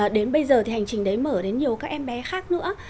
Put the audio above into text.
đến bây giờ thì hành trình đấy mở đến nhiều các em bé khác nữa